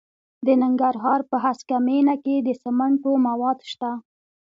د ننګرهار په هسکه مینه کې د سمنټو مواد شته.